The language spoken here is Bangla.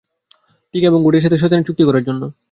ঠিক, এবং গুডের সাথে শয়তানের চুক্তি রক্ষা করার জন্য।